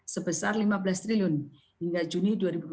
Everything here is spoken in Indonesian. sebesar lima belas triliun hingga juni dua ribu dua puluh